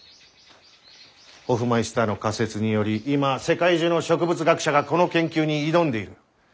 ホフマイスターの仮説により今世界中の植物学者がこの研究に挑んでいる。